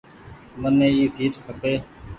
مني اي سيٽ کپي۔